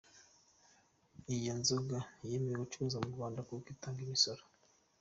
Iyo nzoga yemewe gucuruzwa mu Rwanda kuko itanga imisoro.